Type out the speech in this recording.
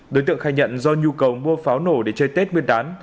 đối tượng khai nhận do nhu cầu mua pháo nổ để chơi tết nguyên đán